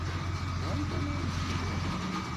Ẓrant anwa ay k-ilan.